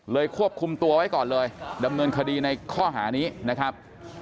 ควบคุมตัวไว้ก่อนเลยดำเนินคดีในข้อหานี้นะครับ